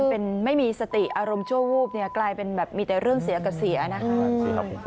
พอไม่มีสติอารมณ์โชว์วูบกลายเป็นแบบมีแต่เรื่องเสียกับเสียนะครับ